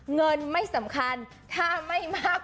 เงินไม่สำคัญถ้าไม่มาก